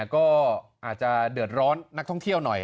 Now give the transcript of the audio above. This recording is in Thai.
ก็อาจจะเดือดร้อนนักท่องเที่ยวหน่อย